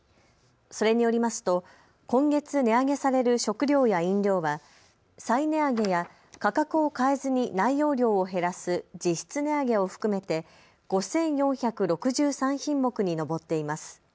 それによりますと今月値上げされる食料や飲料は再値上げや価格を変えずに内容量を減らす実質値上げを含めて５４６３品目に上っています。